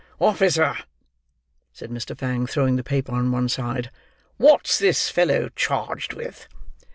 "Officer!" said Mr. Fang, throwing the paper on one side, "what's this fellow charged with?"